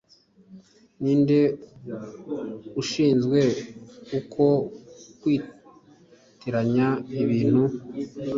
ninde ushinzwe uku kwitiranya ibintu